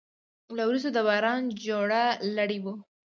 له وریځو د باران جوړه لړۍ وه